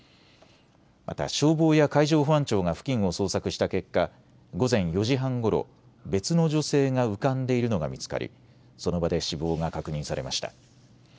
また消防や海上保安庁が付近を捜索した結果、午前４時半ごろ別の女性が浮かんでいるのが見つかりその場で死亡が確認されました。